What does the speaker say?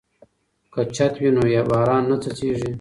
که چت وي نو باران نه څڅیږي.